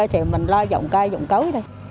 thì mình lo dọn cây dọn cấu